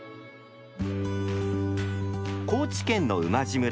高知県の馬路村。